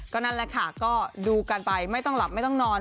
นั่นแหละค่ะก็ดูกันไปไม่ต้องหลับไม่ต้องนอน